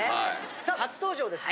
さあ初登場ですね。